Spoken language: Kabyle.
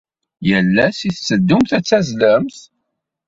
Yal ass ay tetteddumt ad tazzlemt?